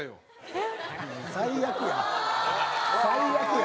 最悪や。